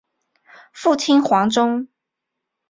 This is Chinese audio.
父亲黄中。